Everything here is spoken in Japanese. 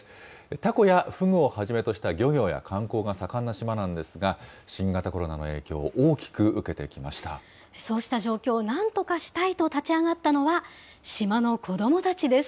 タコやフグをはじめとした漁業や観光が盛んな島なんですが、新型コロナの影響を大きく受けてきまそうした状況をなんとかしたいと立ち上がったのは、島の子どもたちです。